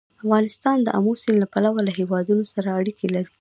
افغانستان د آمو سیند له پلوه له هېوادونو سره اړیکې لري.